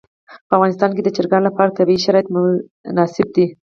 په افغانستان کې د چرګان لپاره طبیعي شرایط مناسب دي.